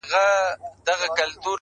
په زړه کي مي څو داسي اندېښنې د فريادي وې